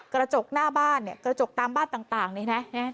กระจกหน้าบ้านเนี่ยกระจกตามบ้านต่างนี่นะ